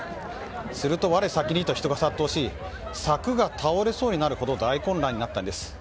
すると我先にと人が殺到し柵が倒れそうになるほど大混乱になったんです。